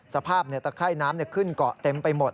สภาพตะไข้น้ำขึ้นเกาะเต็มไปหมด